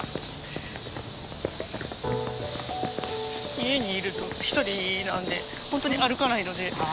家にいると一人なんでほんとに歩かないので。